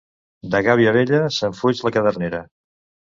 De gàbia vella, se'n fuig la cadernera.